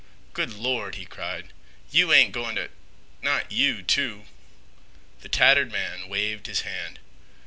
"Good Lord!" he cried, "you ain't goin' t'—not you, too." The tattered man waved his hand.